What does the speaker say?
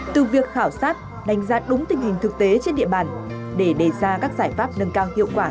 từ việc khảo sát đánh giá đúng tình hình thực tế trên địa bàn để đề ra các giải pháp nâng cao hiệu quả